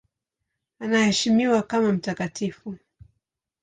Anaheshimiwa kama mtakatifu.